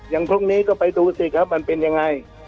พรุ่งนี้ก็ไปดูสิครับมันเป็นยังไง